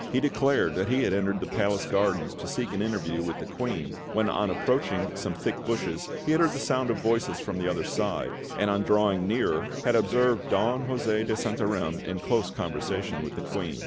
He declared that he had entered the palace gardens to seek an interview with the Queen, when on approaching some thick bushes he had heard the sound of voices from the other side, and on drawing nearer, had observed Don José de Santarem in close conversation with the Queen.